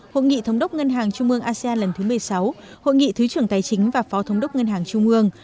hội nghị thống đốc ngân hàng trung ương asean lần thứ một mươi sáu hội nghị thứ trưởng tài chính và phó thống đốc ngân hàng trung ương